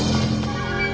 tidak ada masa